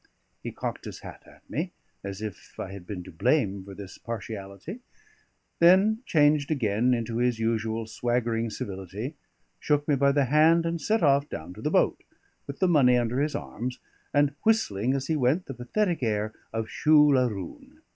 He cocked his hat at me, as if I had been to blame for this partiality; then changed again into his usual swaggering civility, shook me by the hand, and set off down to the boat, with the money under his arms, and whistling as he went the pathetic air of "Shule Aroon."